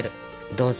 どうぞ。